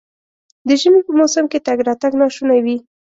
د ژمي په موسم کې تګ راتګ ناشونی وي.